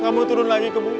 kamu turun lagi ke bu